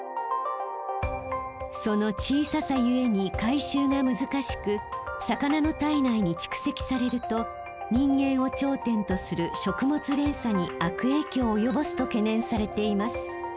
その小ささゆえに回収が難しく魚の体内に蓄積されると人間を頂点とする食物連鎖に悪影響を及ぼすと懸念されています。